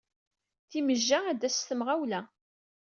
Timejja ad d-tass s temɣawla